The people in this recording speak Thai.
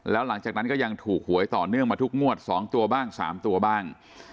แล้วหลังจากนั้นก็ยังถูกหวยต่อเนื่องมาทุกงวด๒ตัวบ้าง๓ตัวบ้าง